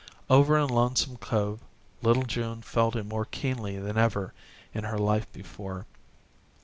Over in Lonesome Cove little June felt it more keenly than ever in her life before.